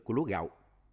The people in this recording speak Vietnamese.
của lúa gạo